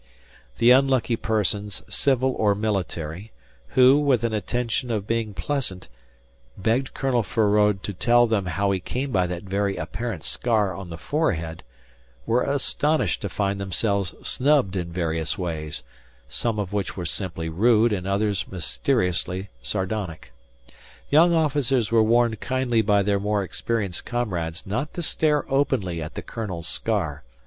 The unlucky persons, civil or military, who, with an intention of being pleasant, begged Colonel Feraud to tell them how he came by that very apparent scar on the forehead, were astonished to find themselves snubbed in various ways, some of which were simply rude and others mysteriously sardonic. Young officers were warned kindly by their more experienced comrades not to stare openly at the colonel's scar.